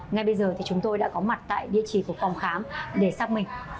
ngay bây giờ thì chúng tôi đã có mặt tại địa chỉ của phòng khám để xác minh